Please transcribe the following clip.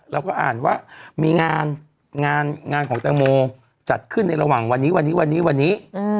เราก็อ่านว่ามีงานงานของแตงโมจัดขึ้นในระหว่างวันนี้วันนี้